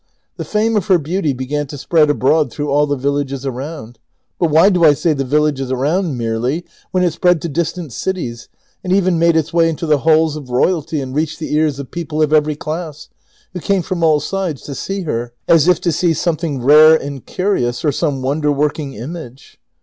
The fame of her beauty began to spread abroad through all the villages around — but why do I say the villages around, merely, wlien it spread to distant cities, and even made its way into the halls of royalty and reached the ears of people of every class, who came from all sides to see her as if to see something rare and curious, or some wonder working image